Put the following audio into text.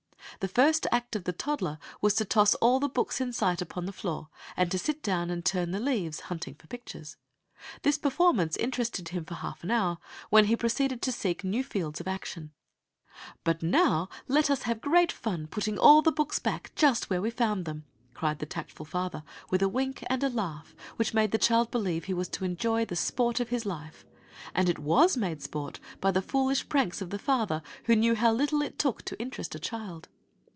The first act of the toddler was to toss all the books in sight upon the floor and to sit down and turn the leaves, hunting for pictures. This performance interested him for half an hour, when he proceeded to seek new fields of action. "But now let us have great fun putting all the books back just where we found them," cried the tactful father, with a wink and a laugh, which made the child believe he was to enjoy the sport of his life. And it was made sport by the foolish pranks of the father who knew how little it took to interest a child.